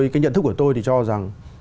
cái nhận thức của tôi thì cho rằng